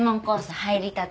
入りたて。